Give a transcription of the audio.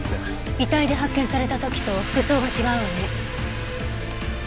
遺体で発見された時と服装が違うわね。